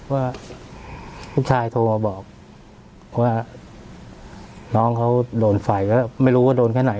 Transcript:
ว่าลูกชายโทรมาบอกว่าน้องเขาโดนไฟก็ไม่รู้ว่าโดนแค่ไหน